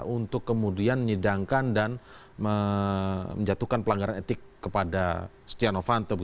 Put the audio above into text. untuk kemudian menyedangkan dan menjatuhkan pelanggaran etik kepada stiano fanto